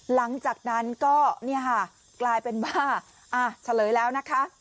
หลังจากนั้นก็กลายเป็นว่าอ่าเฉลยแล้วนะคะ